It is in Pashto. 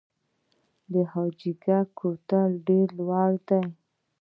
د حاجي ګک کوتل ډیر لوړ دی